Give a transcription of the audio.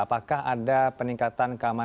apakah ada peningkatan keamanan